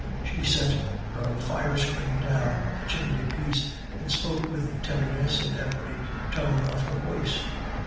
She set her fire screen down on the chimney piece, and spoke with tenderness in every tone of her voice.